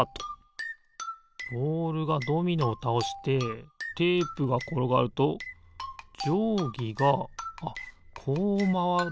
ボールがドミノをたおしてテープがころがるとじょうぎがあっこうまわる？